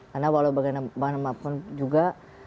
karena walaubagaimanapun juga